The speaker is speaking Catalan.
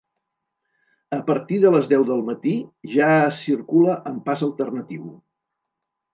A partir de les deu del matí ja es circula amb pas alternatiu.